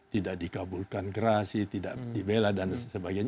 tidak dikabulkan gerasi tidak dibela dan sebagainya